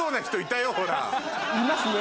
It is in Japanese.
いますね。